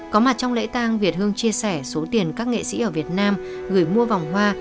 có mặt trong lễ tang việt hương chia sẻ số tiền các nghệ sĩ ở việt nam gửi mua vòng hoa